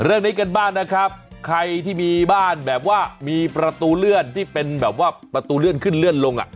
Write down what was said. เรื่องนี้กันบ้างนะครับใครที่มีบ้านแบบว่ามีประตูเลื่อนที่เป็นแบบว่าประตูเลื่อนขึ้นเลื่อนลงอ่ะ